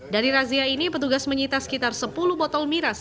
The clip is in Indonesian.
dari razia ini petugas menyita sekitar sepuluh botol miras